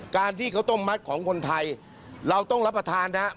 การที่ข้าวต้มมัดของคนไทยเราต้องรับประทานนะครับ